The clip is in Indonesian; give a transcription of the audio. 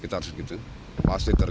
jika berlangsung dalam periode yang lama